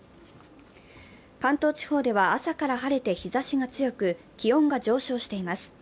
関東地方では朝から晴れて日ざしが強く、気温が上昇しています。